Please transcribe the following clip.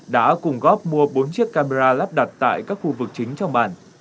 đã cùng góp mua bốn chiếc camera lắp đặt tại các khu vực chính trong bản